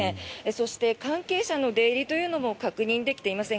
そして関係者の出入りというのも確認できていません。